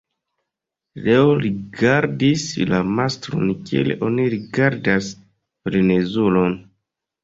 Leo rigardis la mastron kiel oni rigardas frenezulon.